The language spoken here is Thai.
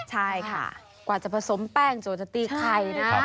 ใช่ค่ะกว่าจะผสมแป้งโจจะตีไข่นะ